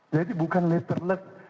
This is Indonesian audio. jadi bukan letterless